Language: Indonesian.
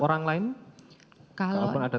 orang lain kalau pun ada